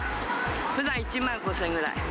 ふだん１万５０００円ぐらい。